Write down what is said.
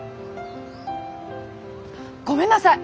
ごめんなさい！